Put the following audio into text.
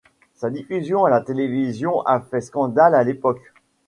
Sa diffusion à la télévision a fait scandale à l'époque.